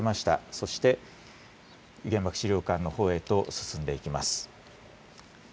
そして、原爆資料館のほうへと進んでいきます。